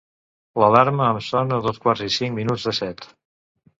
L'alarma em sona a dos quarts i cinc minuts de set.